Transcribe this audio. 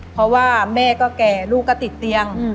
เพราะว่าแม่ก็แก่ลูกก็ติดเตียง